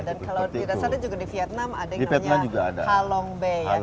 dan kalau tidak salah juga di vietnam ada yang namanya halong bay